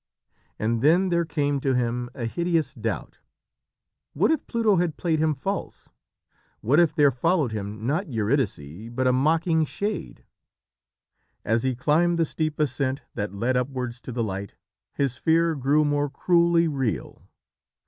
And then there came to him a hideous doubt. What if Pluto had played him false? What if there followed him not Eurydice, but a mocking shade? As he climbed the steep ascent that led upwards to the light, his fear grew more cruelly real.